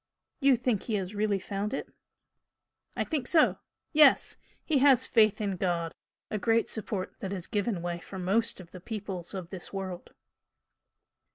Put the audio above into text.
"You think he has really found it?" "I think so, yes! He has faith in God a great support that has given way for most of the peoples of this world."